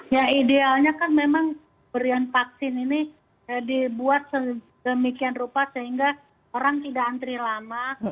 ya idealnya kan memang berian vaksin ini dibuat sedemikian rupa sehingga orang tidak antri lama